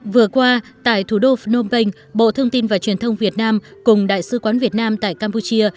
vừa qua tại thủ đô phnom penh bộ thông tin và truyền thông việt nam cùng đại sứ quán việt nam tại campuchia